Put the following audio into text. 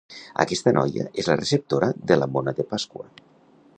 Aquesta noia és la receptora de la mona de Pasqua.